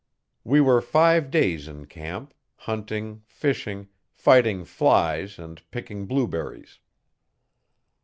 We were five days in camp, hunting, fishing, fighting files and picking blueberries.